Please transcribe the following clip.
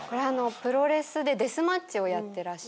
プロレスでデスマッチをやってらっしゃる。